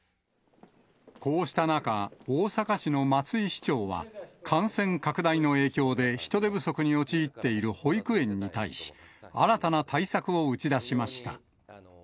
こうした中、大阪市の松井市長は、感染拡大の影響で人手不足に陥っている保育園に対し、新たな対策を打ち出しました。